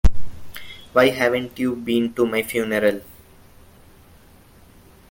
Why haven't you been to my funeral?